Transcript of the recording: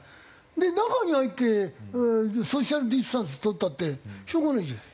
で中に入ってソーシャルディスタンス取ったってしょうがないじゃない。